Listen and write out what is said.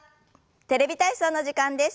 「テレビ体操」の時間です。